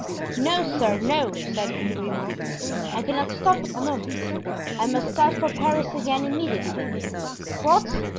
"No, sir, no," said Grimaud. "I cannot stop a moment; I must start for Paris again immediately." "What?